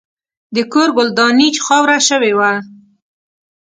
د کور ګلداني خاوره شوې وه.